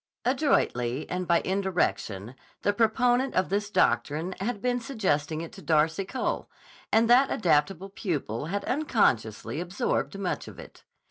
Adroitly and by indirection the proponent of this doctrine had been suggesting it to Darcy Cole, and that adaptable pupil had unconsciously absorbed much of it.